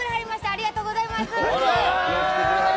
ありがとうございます。